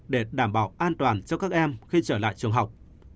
để đảm bảo an toàn cho các em khi trở lại trường học